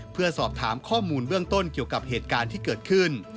เพื่อสอบถามข้อมูลเบื้องต้นเกี่ยวกับเหตุการณ์ที่เกิดขึ้น